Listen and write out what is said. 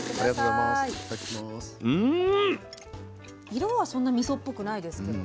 色はそんなみそっぽくないですけど。